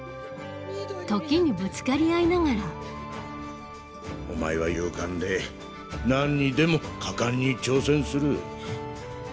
時にぶつかり合いながらお前は勇敢でなんにでも果敢に挑戦する。